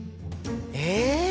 え